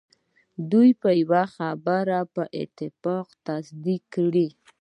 دوی به یوه خبره په اتفاق تصدیق کړي.